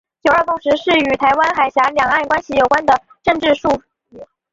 九二共识是与台湾海峡两岸关系有关的政治术语。